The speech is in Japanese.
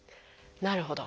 なるほど。